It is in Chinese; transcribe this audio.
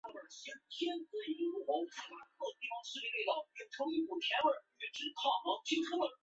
非法森林开发亦为一些村民的收入来源。